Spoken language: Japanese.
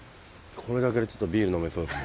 これだけでちょっとビール飲めそうですね。